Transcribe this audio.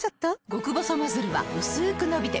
極細ノズルはうすく伸びて